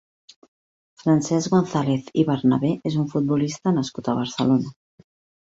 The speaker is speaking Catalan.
Francesc González i Bernabé és un futbolista nascut a Barcelona.